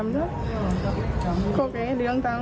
พยายามเลี่ยงแล้ว